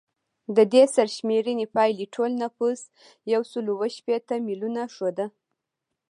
د دې سرشمېرنې پایلې ټول نفوس یو سل اووه شپیته میلیونه ښوده